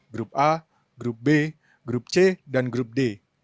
grup a grup b grup c dan grup d